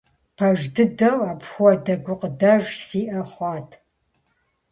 Пэж дыдэу апхуэдэ гукъыдэж сиӀэ хъуат.